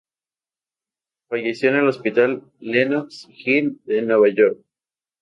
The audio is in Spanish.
Falleció en el Hospital Lenox Hill de Nueva York.